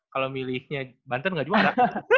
kalau milihnya banten gak juara